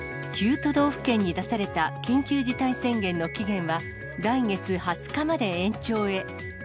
都道府県に出された緊急事態宣言の期限は、来月２０日まで延長へ。